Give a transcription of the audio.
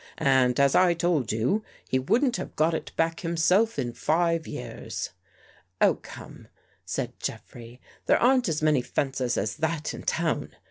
And, as I told you, he wouldn't have got it back himself in five years." '' Oh, come," said Jeffrey. " There aren't as many fences as that in town.